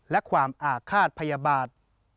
และความอาฆาตพยาบาท